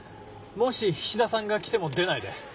もし菱田さんが来ても出ないで。